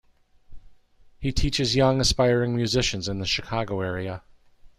He teaches young aspiring musicians in the Chicago area.